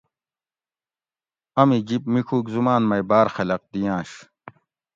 امی جِب مِڄوگ زُمان مئی باۤر خلق دئینش